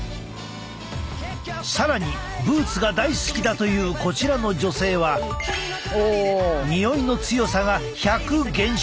更にブーツが大好きだというこちらの女性はにおいの強さが１００減少！